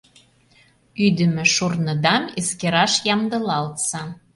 Ӱдымӧ шурныдам эскераш ямдылалтса».